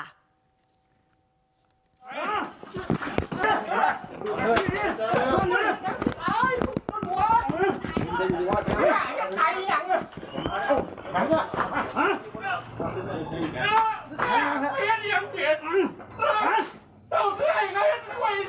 เสียมเหตุ